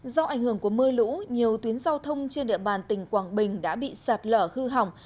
do ảnh hưởng của mưa lũ nhiều tuyến giao thông trên địa bàn tỉnh quảng bình đã bị sạt lở hư hỏng